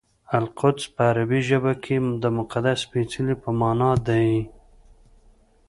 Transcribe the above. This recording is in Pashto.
القدس په عربي ژبه کې د مقدس سپېڅلي په مانا دی.